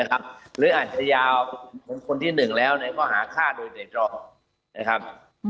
หรืออาจจะยาวคนที่๑แล้วเนี่ยก็หาฆ่าโดยเด็ดรอบ